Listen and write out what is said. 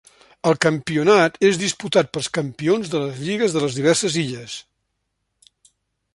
El campionat és disputat pels campions de les lligues de les diverses illes.